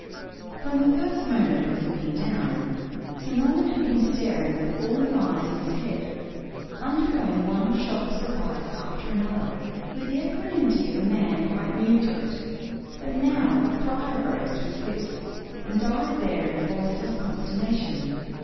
From the first moment of his looking down, Sir Norman had been staring with all the eyes in his head, undergoing one shock of surprise after another with the equanimity of a man quite new to it; but now a cry arose to his lips, and died there in voiceless consternation.